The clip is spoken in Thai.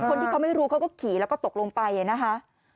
คนที่เขาไม่รู้เขาก็ขี่แล้วก็ตกลงไปนะคะ